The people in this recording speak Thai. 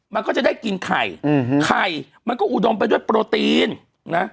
มันก็จะได้กินไข่อืมไข่ไข่มันก็อุดมไปด้วยโปรตีนนะ